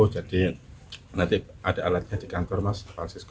jadi nanti ada alatnya di kantor mas